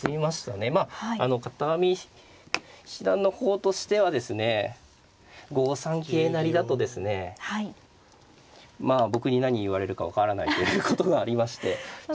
まあ片上七段の方としてはですね５三桂成だとですねまあ僕に何言われるか分からないということがありまして。